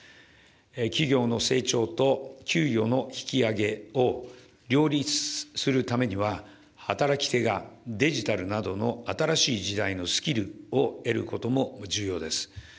企業の成長と給与の引き上げを、両立するためには、働き手がデジタルなどの新しい時代のスキルを得ることも重要です。